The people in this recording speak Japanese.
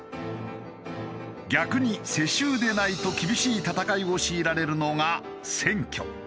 逆に世襲でないと厳しい戦いを強いられるのが選挙。